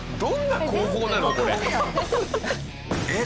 えっ！？